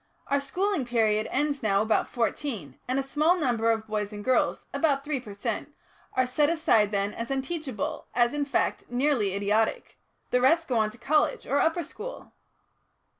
Our schooling period ends now about fourteen, and a small number of boys and girls about three per cent. are set aside then as unteachable, as, in fact, nearly idiotic; the rest go on to a college or upper school."